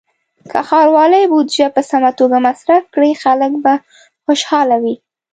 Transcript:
که ښاروالۍ بودیجه په سمه توګه مصرف کړي، خلک به خوشحاله وي.